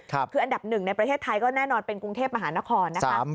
คืออันดับหนึ่งในประเทศไทยก็แน่นอนเป็นกรุงเทพมหานครนะคะ